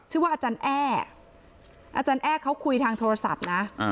อาจารย์แอ้อาจารย์แอ้เขาคุยทางโทรศัพท์นะ